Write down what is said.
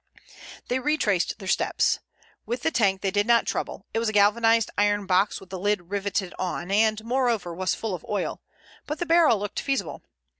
They retraced their steps. With the tank they did not trouble; it was a galvanized iron box with the lid riveted on, and moreover was full of oil; but the barrel looked feasible.